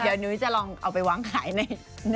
พี่จะลองเอาไปวางขายใน